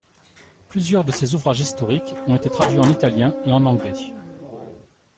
Plusieurs de ses ouvrages historiques ont été traduits en italien et en anglais.